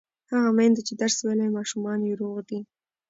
هغه میندو چې درس ویلی، ماشومان یې روغ دي.